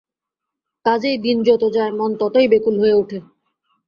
কাজেই দিন যত যায় মন ততই ব্যাকুল হয়ে ওঠে।